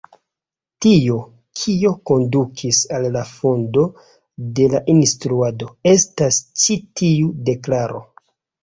Tio, kio kondukis al la fondo de la instruado, estas ĉi tiu deklaro.